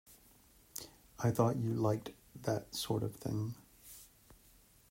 I thought you liked that sort of thing?